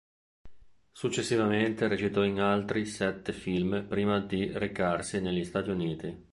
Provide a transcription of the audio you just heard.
Successivamente recitò in altri sette film prima di recarsi negli Stati Uniti.